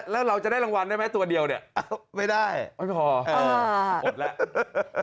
แล้วเราจะได้รางวัลได้ไหมตัวเดียวเนี่ยไม่ได้ไม่พออดแล้ว